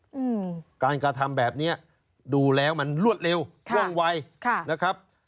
อืมการกระทำแบบเนี้ยดูแล้วมันรวดเร็วว่องวัยค่ะนะครับ